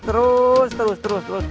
terus terus terus